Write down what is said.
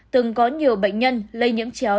từng có nhiều bệnh nhân lây nhiễm chéo